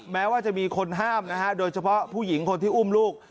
แม้ว่าจะมีคนห้ามนะฮะโดยเฉพาะผู้หญิงคนที่อุ้มลูก